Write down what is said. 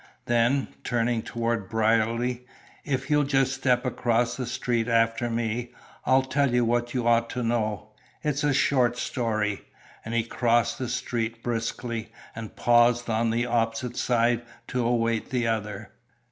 Then, turning toward Brierly, "If you'll just step across the street after me, I'll tell you what you ought to know. It's a short story." And he crossed the street briskly, and paused on the opposite side to await the other.